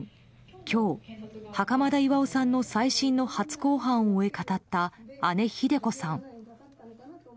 今日、袴田巌さんの再審の初公判を終え、語った姉・ひで子さん。